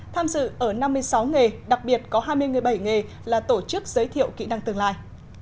tham dự ở năm mươi sáu nghề đặc biệt có hai mươi bảy nghề là tổ chức giới thiệu kỹ năng tương lai